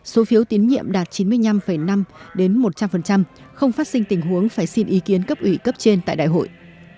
số phiếu tín nhiệm đạt chín mươi năm năm đến một trăm linh không phát sinh tình huống phải xin ý kiến cấp ủy cấp trên tại đại hội